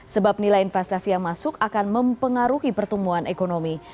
sebab nilai investasi yang masuk akan mempengaruhi pertumbuhan ekonomi